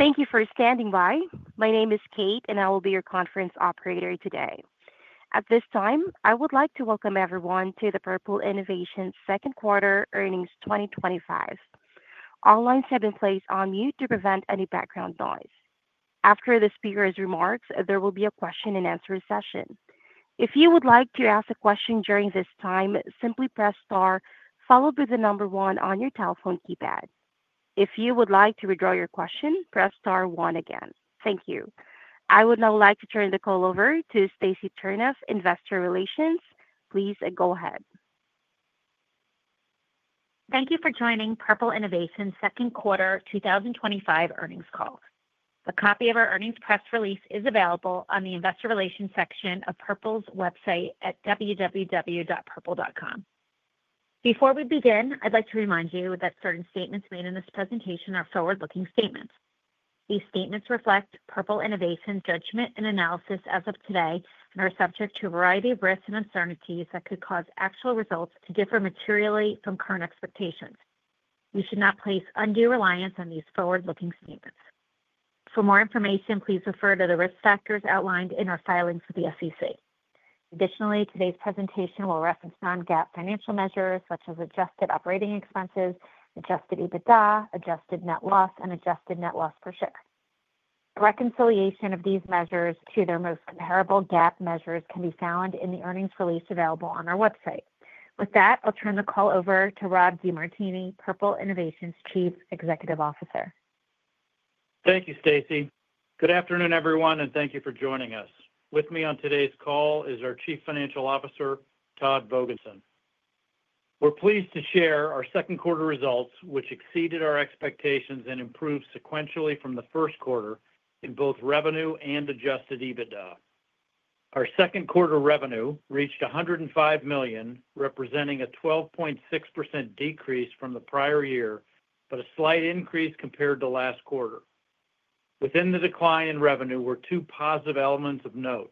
Thank you for standing by. My name is Kate, and I will be your conference operator today. At this time, I would like to welcome everyone to the Purple Innovation second quarter earnings 2025. All lines have been placed on mute to prevent any background noise. After the speaker's remarks, there will be a question and answer session. If you would like to ask a question during this time, simply press star, followed by the number one on your telephone keypad. If you would like to withdraw your question, press star one again. Thank you. I would now like to turn the call over to Stacy Turnof, Investor Relations. Please go ahead. Thank you for joining Purple Innovation second quarter 2025 earnings call. A copy of our earnings press release is available on the Investor Relations section of Purple's website at www.purple.com. Before we begin, I'd like to remind you that certain statements made in this presentation are forward-looking statements. These statements reflect Purple Innovation judgment and analysis as of today and are subject to a variety of risks and uncertainties that could cause actual results to differ materially from current expectations. You should not place undue reliance on these forward-looking statements. For more information, please refer to the risk factors outlined in our filings for the SEC. Additionally, today's presentation will reference non-GAAP financial measures such as adjusted operating expenses, adjusted EBITDA, adjusted net loss, and adjusted net loss per share. Reconciliation of these measures to their most comparable GAAP measures can be found in the earnings release available on our website. With that, I'll turn the call over to Rob DeMartini, Purple Innovation Chief Executive Officer. Thank you, Stacy. Good afternoon, everyone, and thank you for joining us. With me on today's call is our Chief Financial Officer, Todd Vogensen. We're pleased to share our second quarter results, which exceeded our expectations and improved sequentially from the first quarter in both revenue and adjusted EBITDA. Our second quarter revenue reached $105 million, representing a 12.6% decrease from the prior year, but a slight increase compared to last quarter. Within the decline in revenue were two positive elements of note.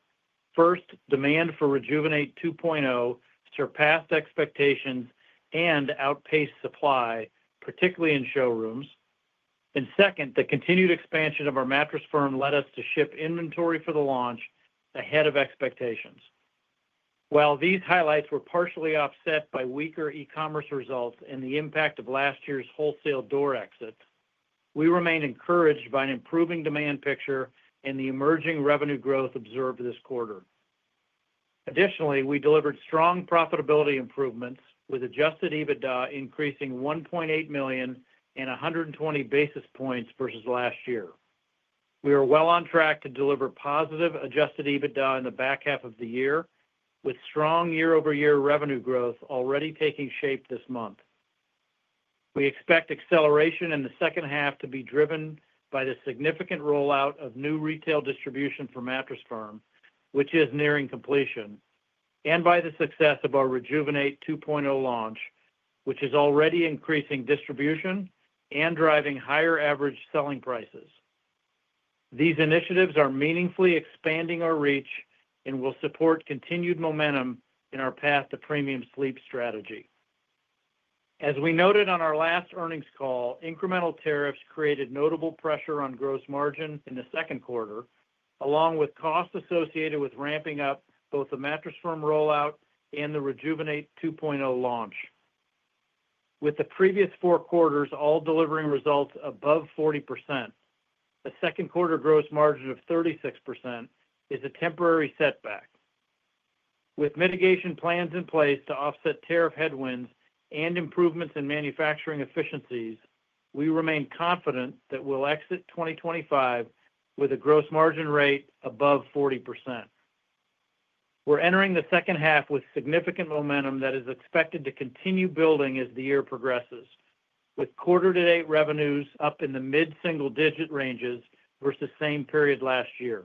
First, demand for Rejuvenate 2.0 surpassed expectations and outpaced supply, particularly in showrooms. Second, the continued expansion of our Mattress Firm led us to ship inventory for the launch ahead of expectations. While these highlights were partially offset by weaker e-commerce results and the impact of last year's wholesale door exit, we remain encouraged by an improving demand picture and the emerging revenue growth observed this quarter. Additionally, we delivered strong profitability improvements with adjusted EBITDA increasing $1.8 million and 120 basis points versus last year. We are well on track to deliver positive adjusted EBITDA in the back half of the year, with strong year-over-year revenue growth already taking shape this month. We expect acceleration in the second half to be driven by the significant rollout of new retail distribution for Mattress Firm, which is nearing completion, and by the success of our Rejuvenate 2.0 launch, which is already increasing distribution and driving higher average selling prices. These initiatives are meaningfully expanding our reach and will support continued momentum in our path to premium sleep strategy. As we noted on our last earnings call, incremental tariffs created notable pressure on gross margin in the second quarter, along with costs associated with ramping up both the Mattress Firm rollout and the Rejuvenate 2.0 launch. With the previous four quarters all delivering results above 40%, a second quarter gross margin of 36% is a temporary setback. With mitigation plans in place to offset tariff headwinds and improvements in manufacturing efficiencies, we remain confident that we'll exit 2025 with a gross margin rate above 40%. We're entering the second half with significant momentum that is expected to continue building as the year progresses, with quarter-to-date revenues up in the mid-single-digit ranges versus the same period last year.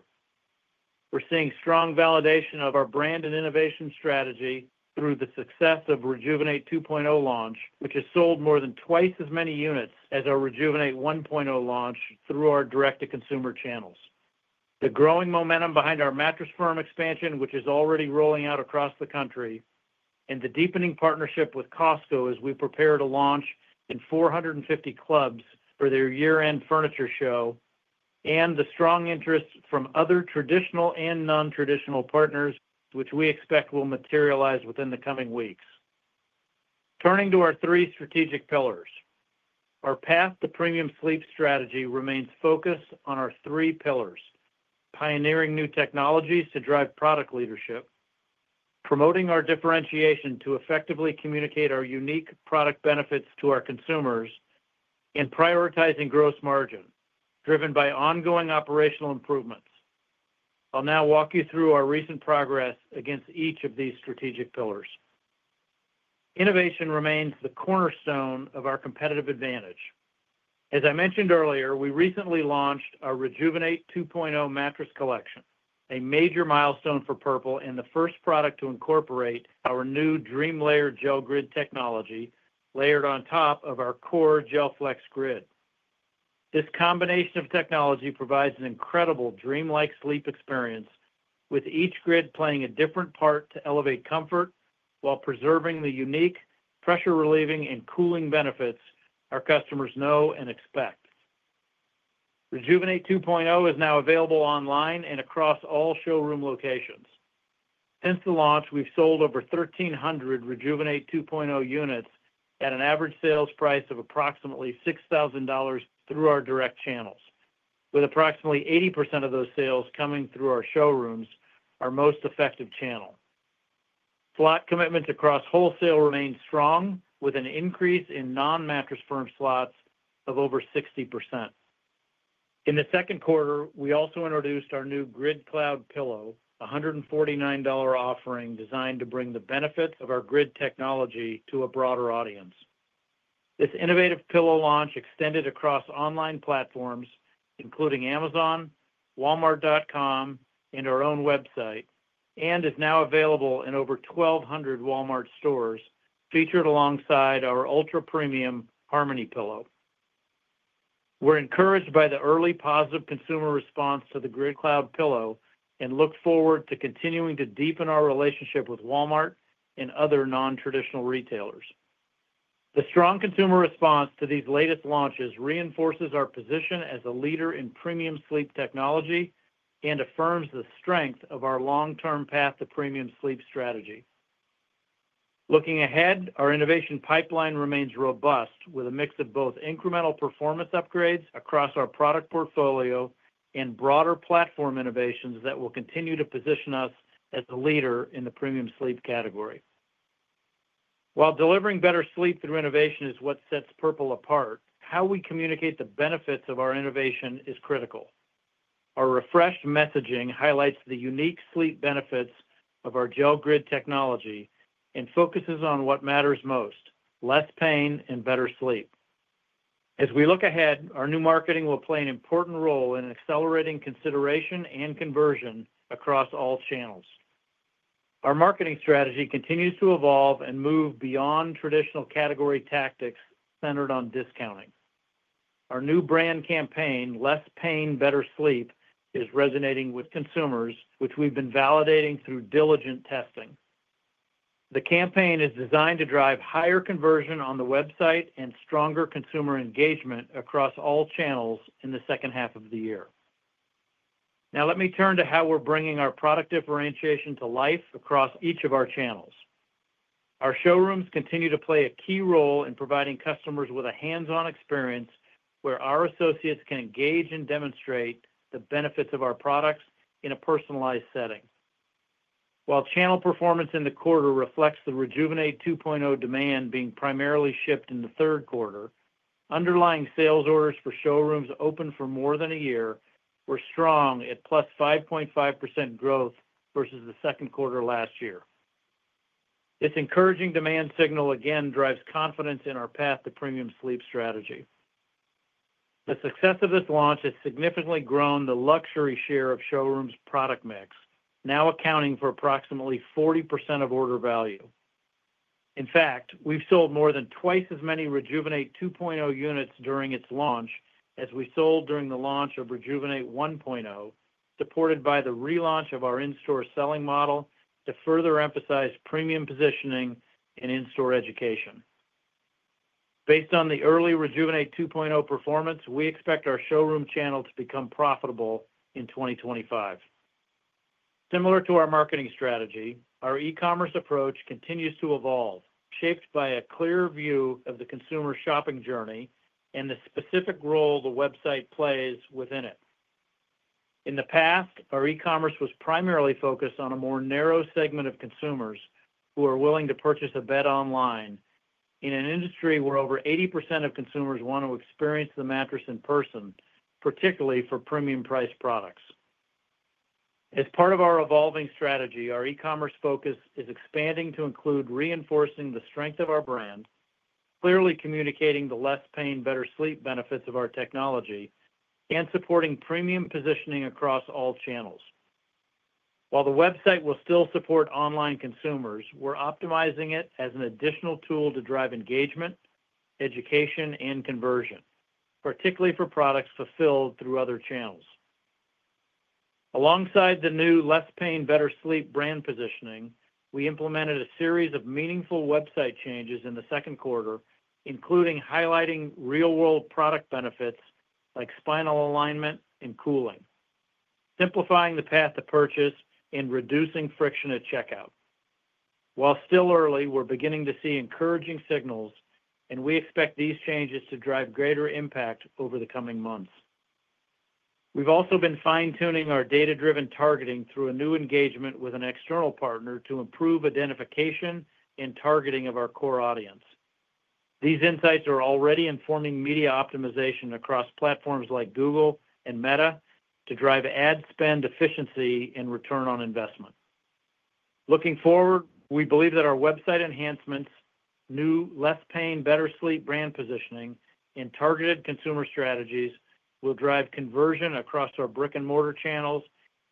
We're seeing strong validation of our brand and innovation strategy through the success of Rejuvenate 2.0 launch, which has sold more than twice as many units as our Rejuvenate 1.0 launch through our direct-to-consumer channels. The growing momentum behind our Mattress Firm expansion, which is already rolling out across the country, and the deepening partnership with Costco as we prepare to launch in 450 clubs for their year-end furniture show, and the strong interest from other traditional and non-traditional partners, which we expect will materialize within the coming weeks. Turning to our three strategic pillars, our path to premium sleep strategy remains focused on our three pillars. Pioneering new technologies to drive product leadership, promoting our differentiation to effectively communicate our unique product benefits to our consumers, and prioritizing gross margin, driven by ongoing operational improvements. I'll now walk you through our recent progress against each of these strategic pillars. Innovation remains the cornerstone of our competitive advantage. As I mentioned earlier, we recently launched our Rejuvenate 2.0 mattress collection, a major milestone for Purple and the first product to incorporate our new dream layer gel grid technology layered on top of our core gel flex grid. This combination of technology provides an incredible dream-like sleep experience, with each grid playing a different part to elevate comfort while preserving the unique pressure-relieving and cooling benefits our customers know and expect. Rejuvenate 2.0 is now available online and across all showroom locations. Since the launch, we've sold over 1,300 Rejuvenate 2.0 units at an average sales price of approximately $6,000 through our direct channels, with approximately 80% of those sales coming through our showrooms, our most effective channel. Slot commitments across wholesale remain strong, with an increase in non-Mattress Firm slots of over 60%. In the second quarter, we also introduced our new GridCloud Pillow, a $149 offering designed to bring the benefits of our grid technology to a broader audience. This innovative pillow launch extended across online platforms, including Amazon, walmart.com, and our own website, and is now available in over 1,200 Walmart stores, featured alongside our ultra-premium Harmony Pillow. We're encouraged by the early positive consumer response to the GridCloud Pillow and look forward to continuing to deepen our relationship with Walmart and other non-traditional retailers. The strong consumer response to these latest launches reinforces our position as a leader in premium sleep technology and affirms the strength of our long-term path to premium sleep strategy. Looking ahead, our innovation pipeline remains robust, with a mix of both incremental performance upgrades across our product portfolio and broader platform innovations that will continue to position us as a leader in the premium sleep category. While delivering better sleep through innovation is what sets Purple apart, how we communicate the benefits of our innovation is critical. Our refreshed messaging highlights the unique sleep benefits of our Gel Grid technology and focuses on what matters most, less pain and better sleep. As we look ahead, our new marketing will play an important role in accelerating consideration and conversion across all channels. Our marketing strategy continues to evolve and move beyond traditional category tactics centered on discounting. Our new brand campaign, Less Pain, Better Sleep, is resonating with consumers, which we've been validating through diligent testing. The campaign is designed to drive higher conversion on the website and stronger consumer engagement across all channels in the second half of the year. Now, let me turn to how we're bringing our product differentiation to life across each of our channels. Our showrooms continue to play a key role in providing customers with a hands-on experience where our associates can engage and demonstrate the benefits of our products in a personalized setting. While channel performance in the quarter reflects the Rejuvenate 2.0 demand being primarily shipped in the third quarter, underlying sales orders for showrooms open for more than a year were strong at +5.5% growth versus the second quarter last year. This encouraging demand signal again drives confidence in our path to premium sleep strategy. The success of this launch has significantly grown the luxury share of showrooms' product mix, now accounting for approximately 40% of order value. In fact, we've sold more than twice as many Rejuvenate 2.0 units during its launch as we sold during the launch of Rejuvenate 1.0, supported by the relaunch of our in-store selling model to further emphasize premium positioning and in-store education. Based on the early Rejuvenate 2.0 performance, we expect our showroom channel to become profitable in 2025. Similar to our marketing strategy, our e-commerce approach continues to evolve, shaped by a clear view of the consumer shopping journey and the specific role the website plays within it. In the past, our e-commerce was primarily focused on a more narrow segment of consumers who are willing to purchase a bed online, in an industry where over 80% of consumers want to experience the mattress in person, particularly for premium-priced products. As part of our evolving strategy, our e-commerce focus is expanding to include reinforcing the strength of our brand, clearly communicating the less pain, better sleep benefits of our technology, and supporting premium positioning across all channels. While the website will still support online consumers, we're optimizing it as an additional tool to drive engagement, education, and conversion, particularly for products fulfilled through other channels. Alongside the new Less Pain, Better Sleep brand positioning, we implemented a series of meaningful website changes in the second quarter, including highlighting real-world product benefits like spinal alignment and cooling, simplifying the path to purchase, and reducing friction at checkout. While still early, we're beginning to see encouraging signals, and we expect these changes to drive greater impact over the coming months. We've also been fine-tuning our data-driven targeting through a new engagement with an external partner to improve identification and targeting of our core audience. These insights are already informing media optimization across platforms like Google and Meta to drive ad spend efficiency and return on investment. Looking forward, we believe that our website enhancements, new Less Pain, Better Sleep brand positioning, and targeted consumer strategies will drive conversion across our brick-and-mortar channels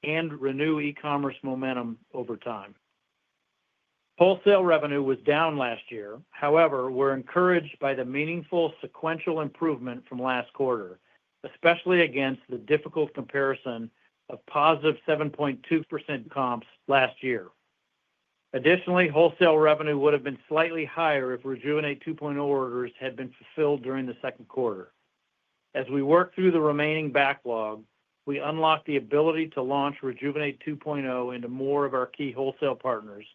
and renew e-commerce momentum over time. Wholesale revenue was down last year, however, we're encouraged by the meaningful sequential improvement from last quarter, especially against the difficult comparison of positive 7.2% comps last year. Additionally, wholesale revenue would have been slightly higher if Rejuvenate 2.0 orders had been fulfilled during the second quarter. As we work through the remaining backlog, we unlock the ability to launch Rejuvenate 2.0 into more of our key wholesale partners,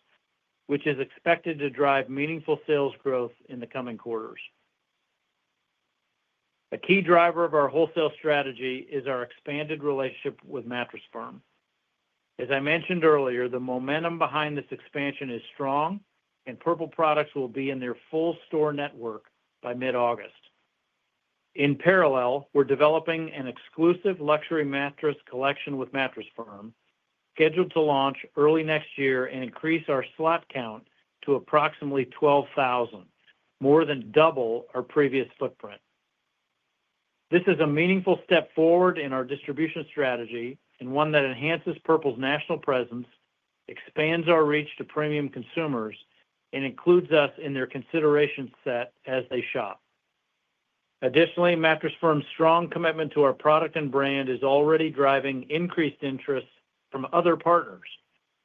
which is expected to drive meaningful sales growth in the coming quarters. A key driver of our wholesale strategy is our expanded relationship with Mattress Firm. As I mentioned earlier, the momentum behind this expansion is strong, and Purple products will be in their full store network by mid-August. In parallel, we're developing an exclusive luxury mattress collection with Mattress Firm, scheduled to launch early next year and increase our slot count to approximately 12,000, more than double our previous footprint. This is a meaningful step forward in our distribution strategy and one that enhances Purple's national presence, expands our reach to premium consumers, and includes us in their consideration set as they shop. Additionally, Mattress Firm's strong commitment to our product and brand is already driving increased interest from other partners.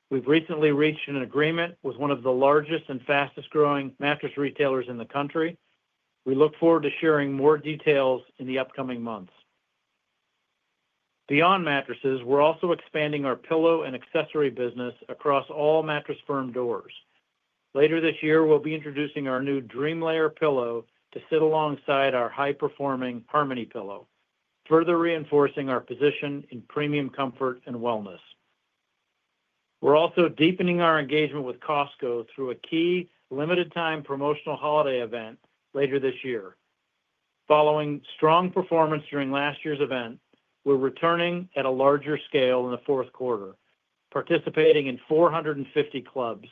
We've recently reached an agreement with one of the largest and fastest-growing mattress retailers in the country. We look forward to sharing more details in the upcoming months. Beyond mattresses, we're also expanding our pillow and accessory business across all Mattress Firm doors. Later this year, we'll be introducing our new DreamLayer Pillow to sit alongside our high-performing Harmony Pillow, further reinforcing our position in premium comfort and wellness. We're also deepening our engagement with Costco through a key limited-time promotional holiday event later this year. Following strong performance during last year's event, we're returning at a larger scale in the fourth quarter, participating in 450 clubs,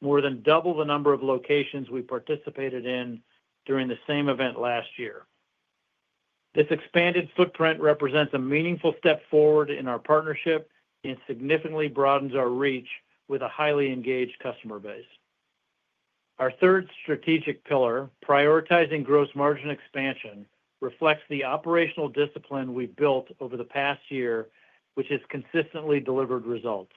more than double the number of locations we participated in during the same event last year. This expanded footprint represents a meaningful step forward in our partnership and significantly broadens our reach with a highly engaged customer base. Our third strategic pillar, prioritizing gross margin expansion, reflects the operational discipline we've built over the past year, which has consistently delivered results.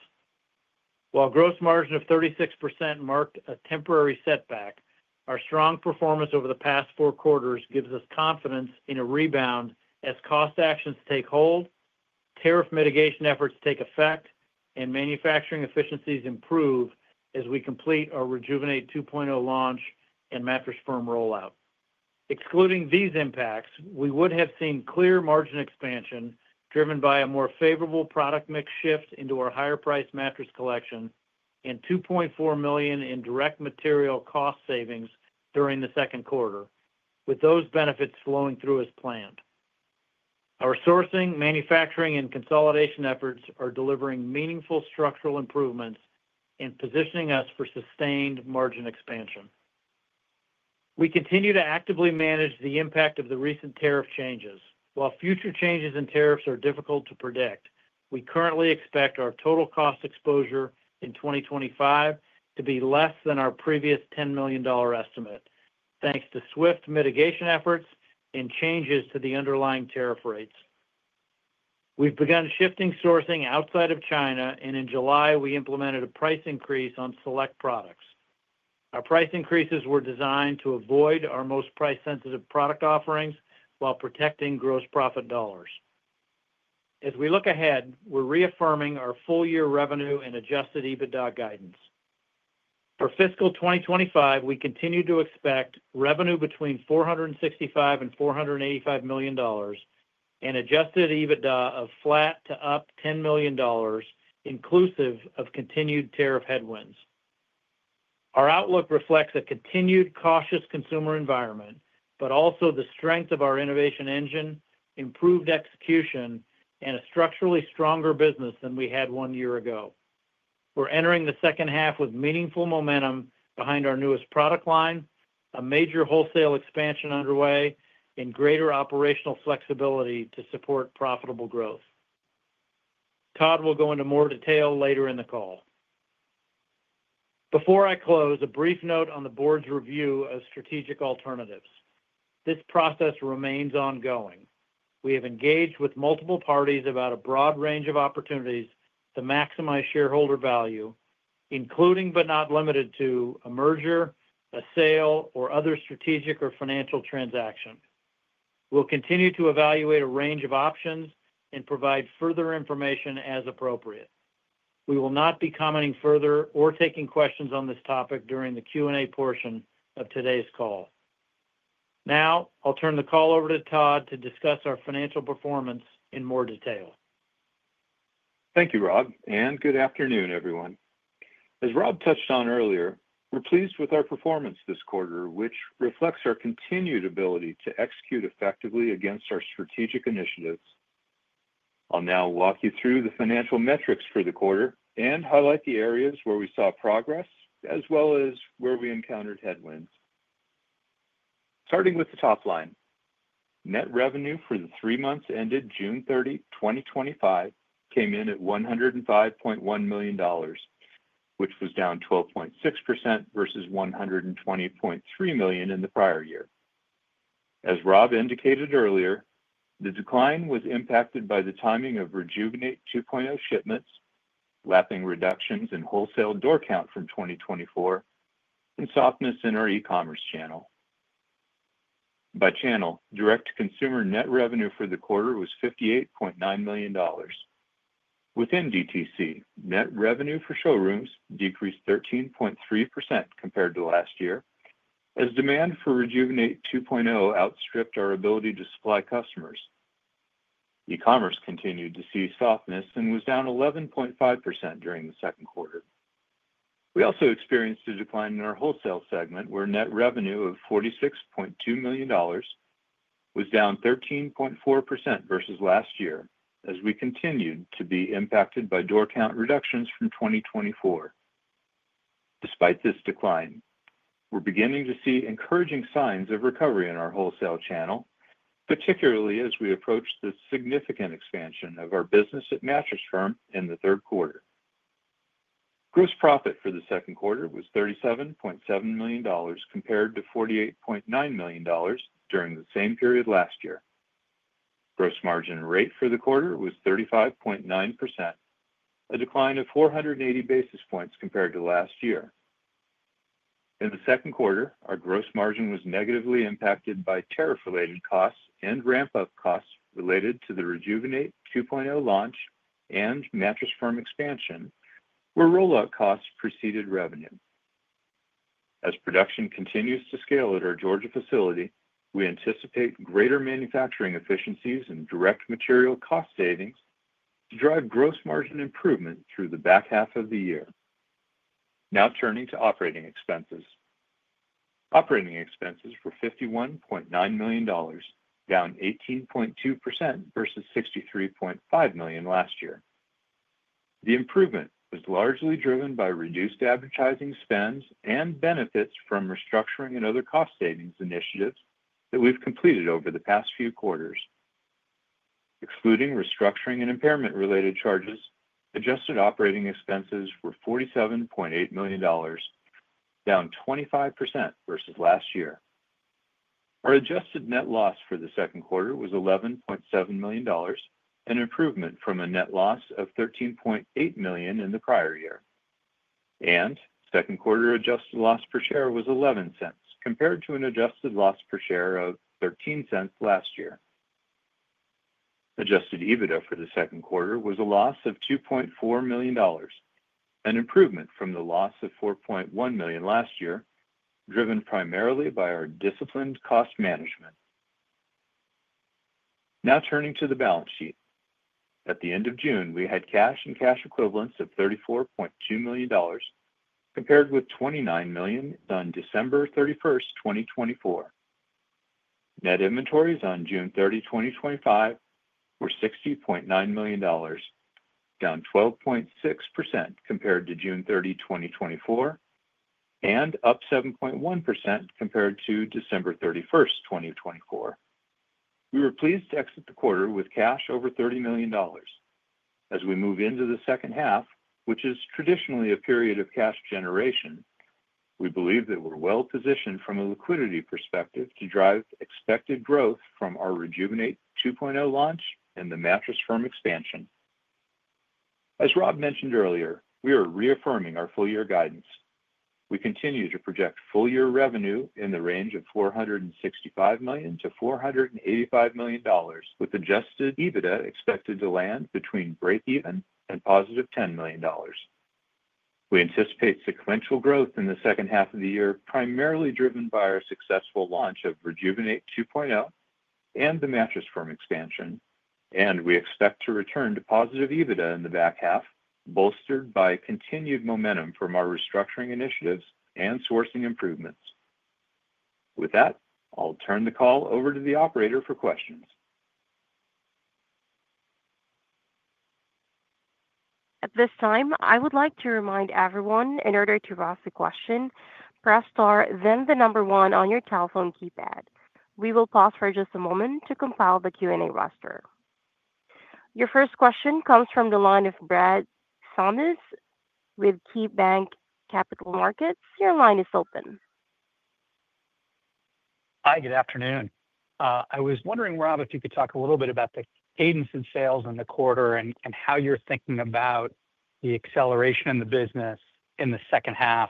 While a gross margin of 36% marked a temporary setback, our strong performance over the past four quarters gives us confidence in a rebound as cost actions take hold, tariff mitigation efforts take effect, and manufacturing efficiencies improve as we complete our Rejuvenate 2.0 launch and Mattress Firm rollout. Excluding these impacts, we would have seen clear margin expansion driven by a more favorable product mix shift into our higher-priced mattress collection and $2.4 million in direct material cost savings during the second quarter, with those benefits flowing through as planned. Our sourcing, manufacturing, and consolidation efforts are delivering meaningful structural improvements and positioning us for sustained margin expansion. We continue to actively manage the impact of the recent tariff changes. While future changes in tariffs are difficult to predict, we currently expect our total cost exposure in 2025 to be less than our previous $10 million estimate, thanks to swift mitigation efforts and changes to the underlying tariff rates. We've begun shifting sourcing outside of China, and in July, we implemented a price increase on select products. Our price increases were designed to avoid our most price-sensitive product offerings while protecting gross profit dollars. As we look ahead, we're reaffirming our full-year revenue and adjusted EBITDA guidance. For fiscal 2025, we continue to expect revenue between $465 million and $485 million and adjusted EBITDA of flat to up $10 million, inclusive of continued tariff headwinds. Our outlook reflects a continued cautious consumer environment, but also the strength of our innovation engine, improved execution, and a structurally stronger business than we had one year ago. We're entering the second half with meaningful momentum behind our newest product line, a major wholesale expansion underway, and greater operational flexibility to support profitable growth. Todd will go into more detail later in the call. Before I close, a brief note on the board's review of strategic alternatives. This process remains ongoing. We have engaged with multiple parties about a broad range of opportunities to maximize shareholder value, including but not limited to a merger, a sale, or other strategic or financial transaction. We'll continue to evaluate a range of options and provide further information as appropriate. We will not be commenting further or taking questions on this topic during the Q&A portion of today's call. Now, I'll turn the call over to Todd to discuss our financial performance in more detail. Thank you, Rob, and good afternoon, everyone. As Rob touched on earlier, we're pleased with our performance this quarter, which reflects our continued ability to execute effectively against our strategic initiatives. I'll now walk you through the financial metrics for the quarter and highlight the areas where we saw progress, as well as where we encountered headwinds. Starting with the top line, net revenue for the three months ended June 30, 2025, came in at $105.1 million, which was down 12.6% versus $120.3 million in the prior year. As Rob DeMartini indicated earlier, the decline was impacted by the timing of Rejuvenate 2.0 shipments, lapping reductions in wholesale door count from 2024, and softness in our e-commerce channel. By channel, direct-to-consumer net revenue for the quarter was $58.9 million. Within DTC, net revenue for showrooms decreased 13.3% compared to last year, as demand for Rejuvenate 2.0 outstripped our ability to supply customers. E-commerce continued to see softness and was down 11.5% during the second quarter. We also experienced a decline in our wholesale segment, where net revenue of $46.2 million was down 13.4% versus last year, as we continued to be impacted by door count reductions from 2024. Despite this decline, we're beginning to see encouraging signs of recovery in our wholesale channel, particularly as we approach the significant expansion of our business at Mattress Firm in the third quarter. Gross profit for the second quarter was $37.7 million compared to $48.9 million during the same period last year. Gross margin rate for the quarter was 35.9%, a decline of 480 basis points compared to last year. In the second quarter, our gross margin was negatively impacted by tariff-related costs and ramp-up costs related to the Rejuvenate 2.0 launch and Mattress Firm expansion, where rollout costs preceded revenue. As production continues to scale at our Georgia facility, we anticipate greater manufacturing efficiencies and direct material cost savings to drive gross margin improvement through the back half of the year. Now turning to operating expenses. Operating expenses were $51.9 million, down 18.2% versus $63.5 million last year. The improvement was largely driven by reduced advertising spends and benefits from restructuring and other cost savings initiatives that we've completed over the past few quarters. Excluding restructuring and impairment-related charges, adjusted operating expenses were $47.8 million, down 25% versus last year. Our adjusted net loss for the second quarter was $11.7 million, an improvement from a net loss of $13.8 million in the prior year. Second quarter adjusted loss per share was $0.11 compared to an adjusted loss per share of $0.13 last year. Adjusted EBITDA for the second quarter was a loss of $2.4 million, an improvement from the loss of $4.1 million last year, driven primarily by our disciplined cost management. Now turning to the balance sheet. At the end of June, we had cash and cash equivalents of $34.2 million compared with $29 million on December 31, 2024. Net inventories on June 30, 2025 were $60.9 million, down 12.6% compared to June 30, 2024, and up 7.1% compared to December 31, 2024. We were pleased to exit the quarter with cash over $30 million. As we move into the second half, which is traditionally a period of cash generation, we believe that we're well positioned from a liquidity perspective to drive expected growth from our Rejuvenate 2.0 launch and the Mattress Firm expansion. As Rob mentioned earlier, we are reaffirming our full-year guidance. We continue to project full-year revenue in the range of $465 million-$485 million, with adjusted EBITDA expected to land between break-even and positive $10 million. We anticipate sequential growth in the second half of the year, primarily driven by our successful launch of Rejuvenate 2.0 and the Mattress Firm expansion, and we expect to return to positive EBITDA in the back half, bolstered by continued momentum from our restructuring initiatives and sourcing improvements. With that, I'll turn the call over to the operator for questions. At this time, I would like to remind everyone, in order to ask a question, press star then the number one on your telephone keypad. We will pause for just a moment to compile the Q&A roster. Your first question comes from the line of Brad Samiz with KeyBanc Capital Markets. Your line is open. Hi, good afternoon. I was wondering, Rob, if you could talk a little bit about the cadence in sales in the quarter and how you're thinking about the acceleration in the business in the second half,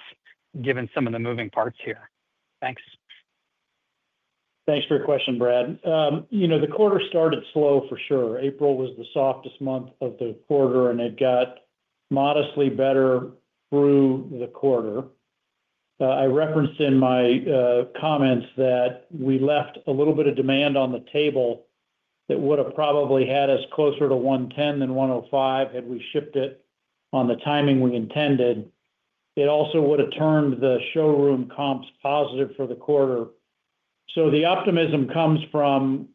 given some of the moving parts here. Thanks. Thanks for your question, Brad. The quarter started slow for sure. April was the softest month of the quarter, and it got modestly better through the quarter. I referenced in my comments that we left a little bit of demand on the table that would have probably had us closer to 110 than 105 had we shipped it on the timing we intended. It also would have turned the showroom comps positive for the quarter. The optimism comes from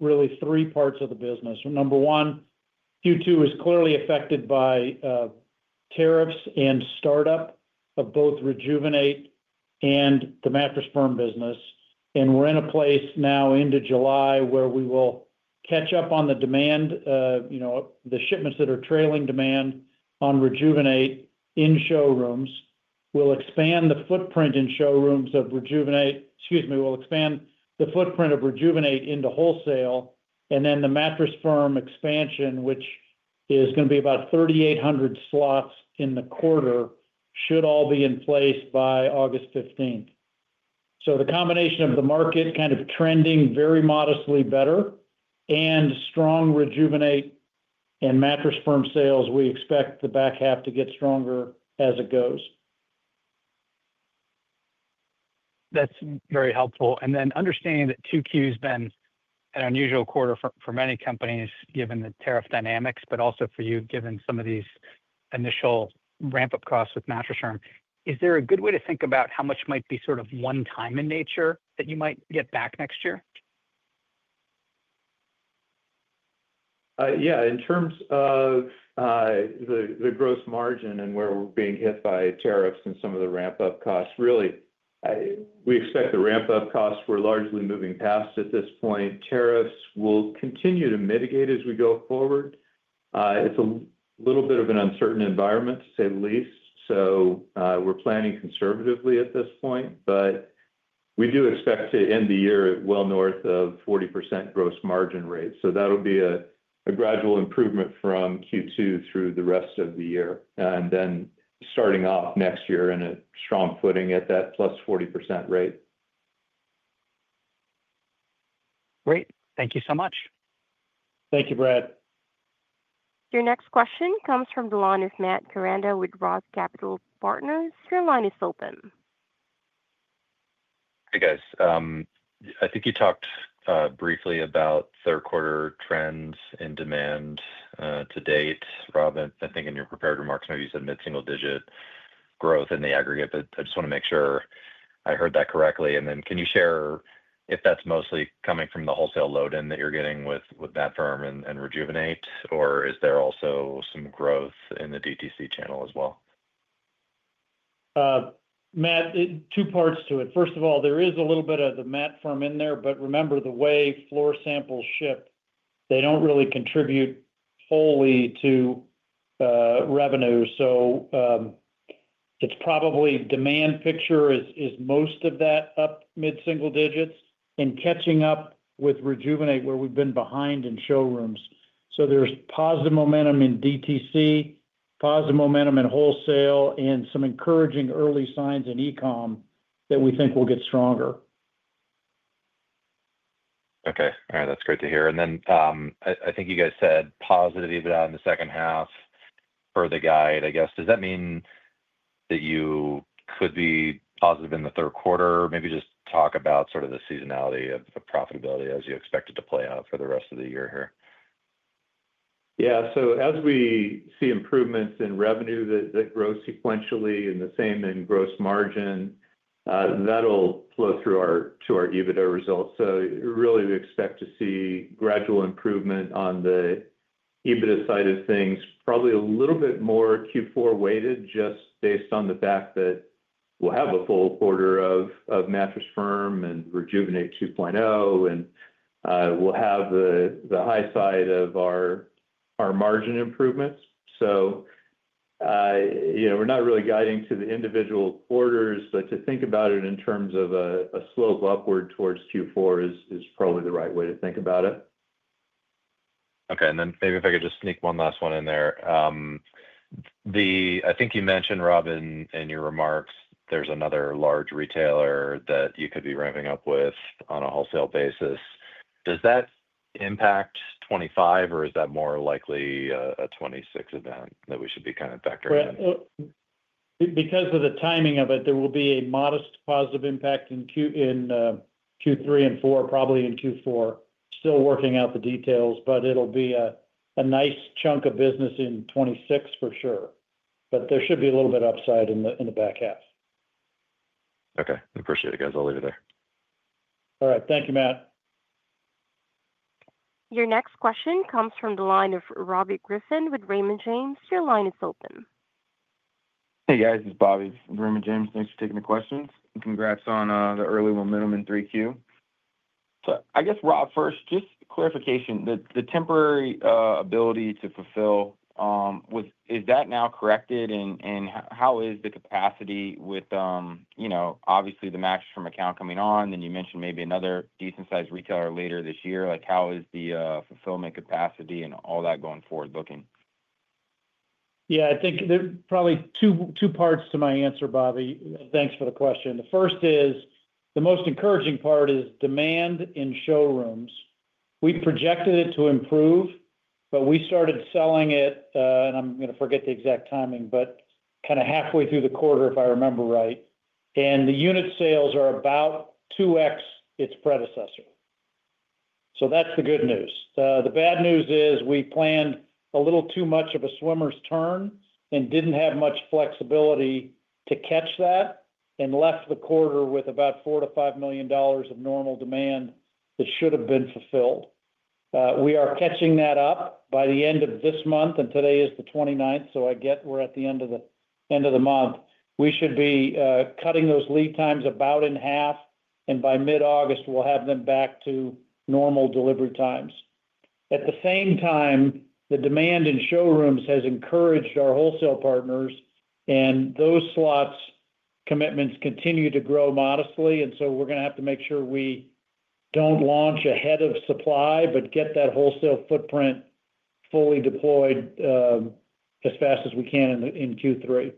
really three parts of the business. Number one, Q2 is clearly affected by tariffs and startup of both Rejuvenate and the Mattress Firm business. We're in a place now into July where we will catch up on the demand, the shipments that are trailing demand on Rejuvenate in showrooms. We'll expand the footprint in showrooms of Rejuvenate, excuse me, we'll expand the footprint of Rejuvenate into wholesale. The Mattress Firm expansion, which is going to be about 3,800 slots in the quarter, should all be in place by August 15th. The combination of the market kind of trending very modestly better and strong Rejuvenate and Mattress Firm sales, we expect the back half to get stronger as it goes. That's very helpful. Is there a good way to think about how much might be sort of one-time in nature that you might get back next year, understanding that Q2 has been an unusual quarter for many companies given the tariff dynamics, but also for you given some of these initial ramp-up costs with Mattress Firm? Yeah, in terms of the gross margin and where we're being hit by tariffs and some of the ramp-up costs, we expect the ramp-up costs we're largely moving past at this point. Tariffs will continue to mitigate as we go forward. It's a little bit of an uncertain environment, to say the least. We're planning conservatively at this point, but we do expect to end the year well north of 40% gross margin rate. That'll be a gradual improvement from Q2 through the rest of the year, then starting off next year in a strong footing at that plus 40% rate. Great, thank you so much. Thank you, Brendon. Your next question comes from the line of Matthew Koranda with Roth Capital Partners. Your line is open. Hey, guys. I think you talked briefly about third-quarter trends in demand to date. Rob, I think in your prepared remarks, I know you said mid-single-digit growth in the aggregate. I just want to make sure I heard that correctly. Can you share if that's mostly coming from the wholesale load-in that you're getting with Mattress Firm and Rejuvenate, or is there also some growth in the DTC channel as well? Matt, two parts to it. First of all, there is a little bit of the Mattress Firm in there, but remember the way floor samples ship, they don't really contribute wholly to revenue. It's probably the demand picture is most of that up mid-single digits and catching up with Rejuvenate, where we've been behind in showrooms. There is positive momentum in DTC, positive momentum in wholesale, and some encouraging early signs in e-com that we think will get stronger. Okay. All right. That's great to hear. I think you guys said positive EBITDA in the second half for the guide, I guess. Does that mean that you could be positive in the third quarter? Maybe just talk about sort of the seasonality of profitability as you expect it to play out for the rest of the year here. Yeah. As we see improvements in revenue that grow sequentially and the same in gross margin, that'll flow through to our EBITDA results. We expect to see gradual improvement on the EBITDA side of things, probably a little bit more Q4 weighted just based on the fact that we'll have a full quarter of Mattress Firm and Rejuvenate 2.0, and we'll have the high side of our margin improvements. We're not really guiding to the individual quarters, but to think about it in terms of a slope upward towards Q4 is probably the right way to think about it. Okay. Maybe if I could just sneak one last one in there. I think you mentioned, Rob, in your remarks, there's another large retailer that you could be ramping up with on a wholesale basis. Does that impact 2025, or is that more likely a 2026 event that we should be kind of factoring in? Because of the timing of it, there will be a modest positive impact in Q3 and Q4, probably in Q4. Still working out the details, but it'll be a nice chunk of business in 2026 for sure. There should be a little bit of upside in the back half. Okay, I appreciate it, guys. I'll leave it there. All right. Thank you, Matt. Your next question comes from the line of Robert Griffin with Raymond James. Your line is open. Hey, guys. This is Bobby with Raymond James. Thanks for taking the questions. Congrats on the early momentum in 3Q. Rob, first, just clarification. The temporary ability to fulfill, is that now corrected? How is the capacity with, you know, obviously the Mattress Firm account coming on? You mentioned maybe another decent-sized retailer later this year. How is the fulfillment capacity and all that going forward looking? Yeah, I think there's probably two parts to my answer, Bobby. Thanks for the question. The first is the most encouraging part is demand in showrooms. We projected it to improve, but we started selling it, and I'm going to forget the exact timing, but kind of halfway through the quarter, if I remember right. The unit sales are about 2x its predecessor. That's the good news. The bad news is we planned a little too much of a swimmer's turn and didn't have much flexibility to catch that and left the quarter with about $4 million-$5 million of normal demand that should have been fulfilled. We are catching that up by the end of this month, and today is the 29th, so I get we're at the end of the end of the month. We should be cutting those lead times about in half, and by mid-August, we'll have them back to normal delivery times. At the same time, the demand in showrooms has encouraged our wholesale partners, and those slots commitments continue to grow modestly. We're going to have to make sure we don't launch ahead of supply, but get that wholesale footprint fully deployed as fast as we can in Q3.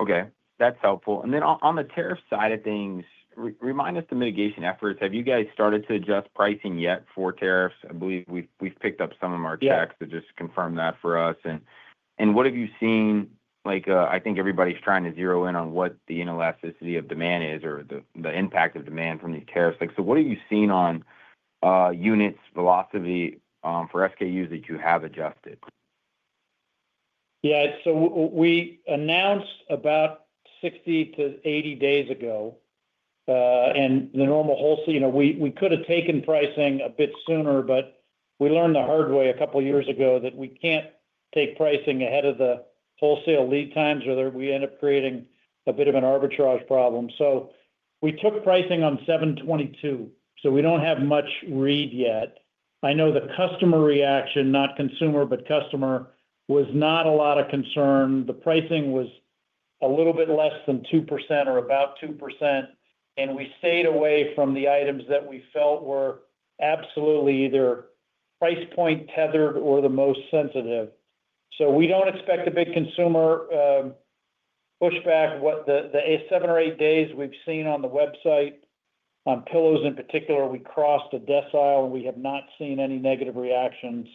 Okay. That's helpful. On the tariff side of things, remind us the mitigation efforts. Have you guys started to adjust pricing yet for tariffs? I believe we've picked up some of our checks, so just confirm that for us. What have you seen? I think everybody's trying to zero in on what the inelasticity of demand is or the impact of demand from these tariffs. What have you seen on units velocity for SKUs that you have adjusted? Yeah. We announced about 60-80 days ago. In the normal wholesale, you know, we could have taken pricing a bit sooner, but we learned the hard way a couple of years ago that we can't take pricing ahead of the wholesale lead times, or we end up creating a bit of an arbitrage problem. We took pricing on 7/22. We don't have much read yet. I know the customer reaction, not consumer, but customer, was not a lot of concern. The pricing was a little bit less than 2% or about 2%. We stayed away from the items that we felt were absolutely either price point tethered or the most sensitive. We don't expect a big consumer pushback. In the seven or eight days we've seen on the website on pillows in particular, we crossed a decile, and we have not seen any negative reaction.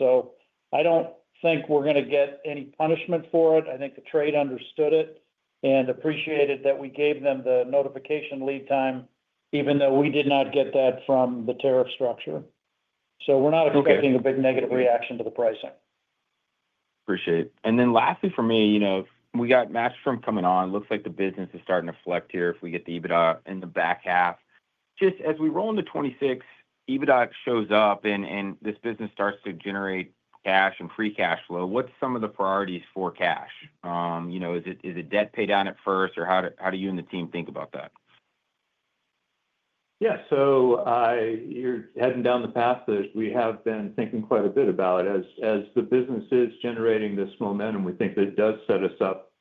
I don't think we're going to get any punishment for it. I think the trade understood it and appreciated that we gave them the notification lead time, even though we did not get that from the tariff structure. We're not expecting a big negative reaction to the pricing. Appreciate it. Lastly for me, you know, we got Mattress Firm coming on. It looks like the business is starting to flex here if we get the EBITDA in the back half. Just as we roll into 2026, EBITDA shows up and this business starts to generate cash and free cash flow, what's some of the priorities for cash? You know, is it debt paydown at first, or how do you and the team think about that? You're heading down the path that we have been thinking quite a bit about. As the business is generating this momentum, we think that it does set us up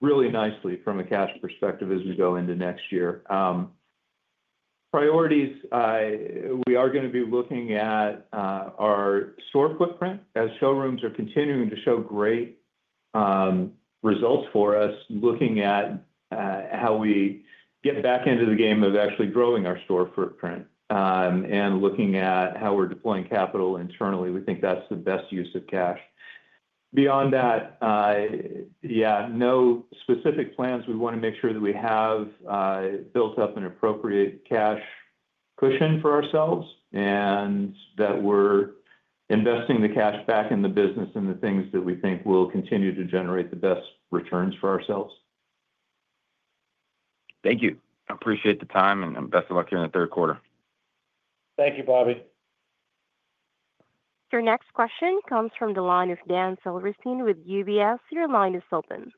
really nicely from a cash perspective as we go into next year. Priorities, we are going to be looking at our store footprint as showrooms are continuing to show great results for us, looking at how we get back into the game of actually growing our store footprint and looking at how we're deploying capital internally. We think that's the best use of cash. Beyond that, no specific plans. We want to make sure that we have built up an appropriate cash cushion for ourselves and that we're investing the cash back in the business and the things that we think will continue to generate the best returns for ourselves. Thank you. I appreciate the time, and best of luck here in the third quarter. Thank you, Rob. Your next question comes from the line of Dan Silverstein with UBS. Your line is open.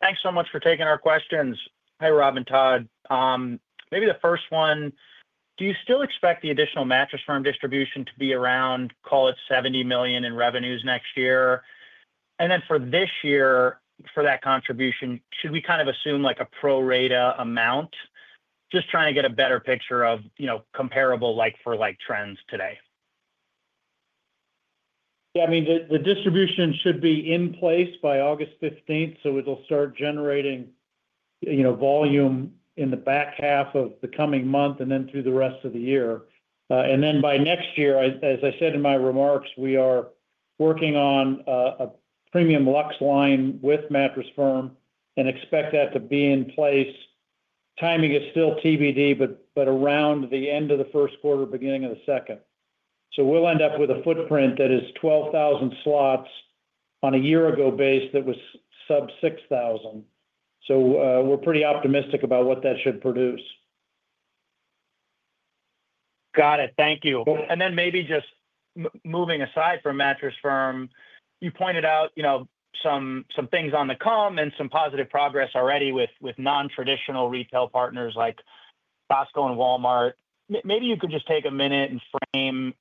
Thanks so much for taking our questions. Hi, Rob and Todd. Maybe the first one, do you still expect the additional Mattress Firm distribution to be around, call it $70 million in revenues next year? For this year, for that contribution, should we kind of assume like a pro rata amount? Just trying to get a better picture of, you know, comparable like-for-like trends today. Yeah, I mean, the distribution should be in place by August 15, so it'll start generating volume in the back half of the coming month and then through the rest of the year. By next year, as I said in my remarks, we are working on a premium luxe line with Mattress Firm and expect that to be in place. Timing is still TBD, but around the end of the first quarter, beginning of the second. We'll end up with a footprint that is 12,000 slots on a year-ago base that was sub-6,000. We're pretty optimistic about what that should produce. Got it. Thank you. Maybe just moving aside from Mattress Firm, you pointed out some things on the come and some positive progress already with non-traditional retail partners like Costco and Walmart. Maybe you could just take a minute and frame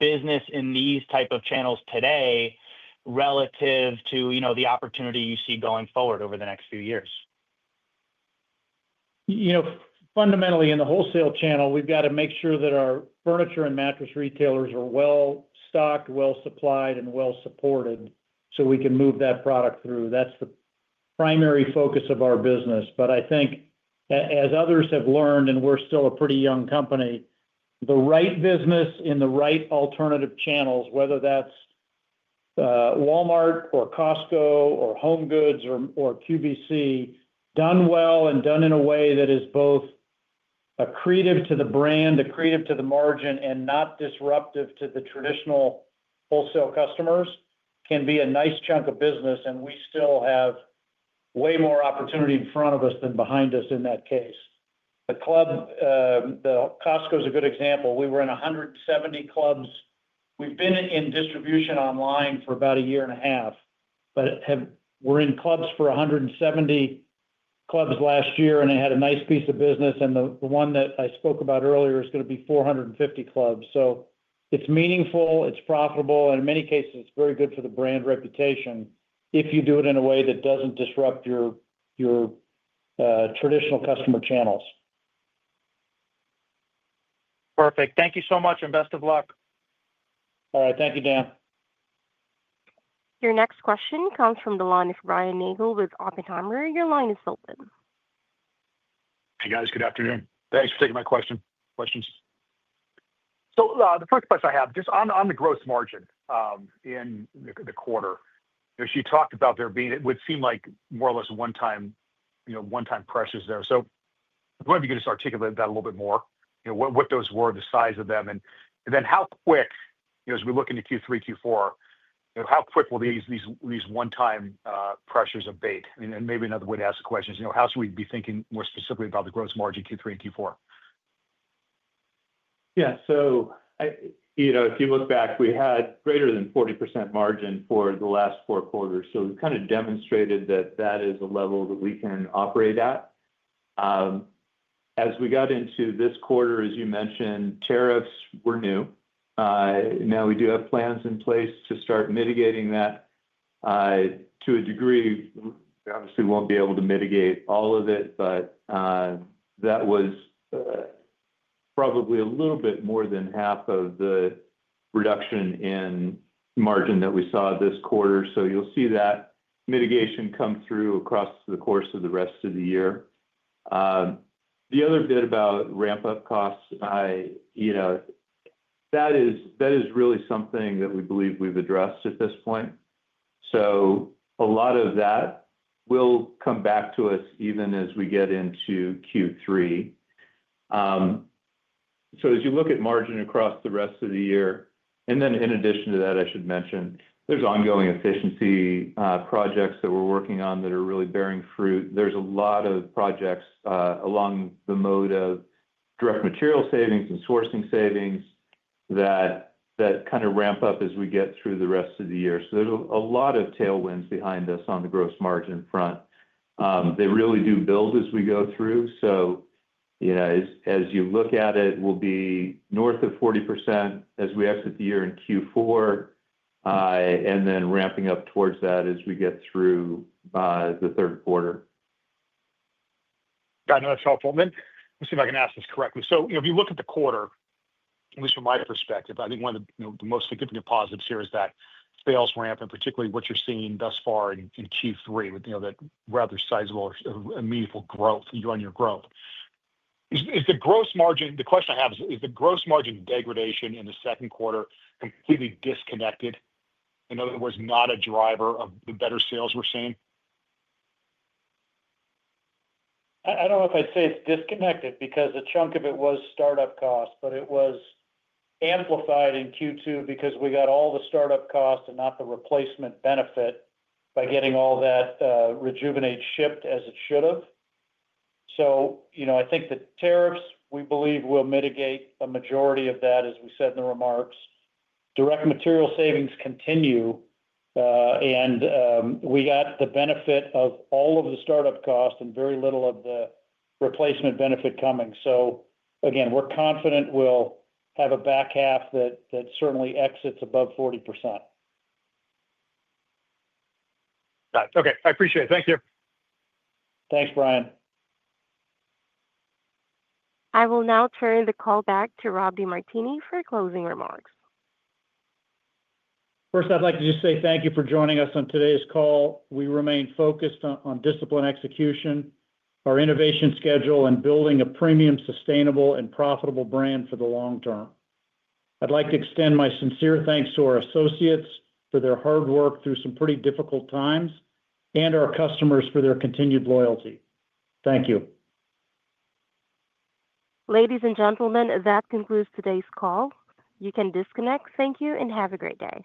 business in these types of channels today relative to the opportunity you see going forward over the next few years. Fundamentally, in the wholesale channel, we've got to make sure that our furniture and mattress retailers are well stocked, well supplied, and well supported so we can move that product through. That's the primary focus of our business. I think, as others have learned, and we're still a pretty young company, the right business in the right alternative channels, whether that's Walmart or Costco or HomeGoods or QVC, done well and done in a way that is both accretive to the brand, accretive to the margin, and not disruptive to the traditional wholesale customers, can be a nice chunk of business. We still have way more opportunity in front of us than behind us in that case. Costco is a good example. We were in 170 clubs. We've been in distribution online for about a year and a half, but we were in clubs for 170 clubs last year, and it had a nice piece of business. The one that I spoke about earlier is going to be 450 clubs. It's meaningful, it's profitable, and in many cases, it's very good for the brand reputation if you do it in a way that doesn't disrupt your traditional customer channels. Perfect. Thank you so much, and best of luck. All right. Thank you, Dan. Your next question comes from the line of Brian Nagel with Oppenheimer. Your line is open. Hey, guys. Good afternoon. Thanks for taking my questions. The first question I have, just on the gross margin in the quarter, you know, you talked about there being, it would seem like, more or less one-time pressures there. I was wondering if you could just articulate that a little bit more, you know, what those were, the size of them, and then how quick, you know, as we look into Q3, Q4, how quick will these one-time pressures abate? Maybe another way to ask the question is, you know, how should we be thinking more specifically about the gross margin Q3 and Q4? Yeah. If you look back, we had greater than 40% margin for the last four quarters. We've kind of demonstrated that that is a level that we can operate at. As we got into this quarter, as you mentioned, tariffs were new. Now we do have plans in place to start mitigating that. To a degree, we obviously won't be able to mitigate all of it, but that was probably a little bit more than half of the reduction in margin that we saw this quarter. You'll see that mitigation come through across the course of the rest of the year. The other bit about ramp-up costs, that is really something that we believe we've addressed at this point. A lot of that will come back to us even as we get into Q3. As you look at margin across the rest of the year, in addition to that, I should mention there's ongoing efficiency projects that we're working on that are really bearing fruit. There's a lot of projects along the mode of direct material savings and sourcing savings that kind of ramp up as we get through the rest of the year. There's a lot of tailwinds behind us on the gross margin front. They really do build as we go through. As you look at it, we'll be north of 40% as we exit the year in Q4, and then ramping up towards that as we get through the third quarter. Got it. That's helpful. Let me see if I can ask this correctly. If you look at the quarter, at least from my perspective, I think one of the most significant positives here is that sales ramp, particularly what you're seeing thus far in Q3 with that rather sizable and meaningful year-on-year growth. Is the gross margin, the question I have is, is the gross margin degradation in the second quarter completely disconnected? In other words, not a driver of the better sales we're seeing? I don't know if I'd say it's disconnected because a chunk of it was startup costs, but it was amplified in Q2 because we got all the startup costs and not the replacement benefit by getting all that Rejuvenate shipped as it should have. I think the tariffs we believe will mitigate a majority of that, as we said in the remarks. Direct material savings continue, and we got the benefit of all of the startup costs and very little of the replacement benefit coming. We're confident we'll have a back half that certainly exits above 40%. Got it. Okay, I appreciate it. Thank you. Thanks, Brian. I will now turn the call back to Rob DeMartini for closing remarks. First, I'd like to just say thank you for joining us on today's call. We remain focused on disciplined execution, our innovation schedule, and building a premium, sustainable, and profitable brand for the long term. I'd like to extend my sincere thanks to our associates for their hard work through some pretty difficult times and our customers for their continued loyalty. Thank you. Ladies and gentlemen, that concludes today's call. You can disconnect. Thank you, and have a great day.